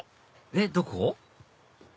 えっどこ？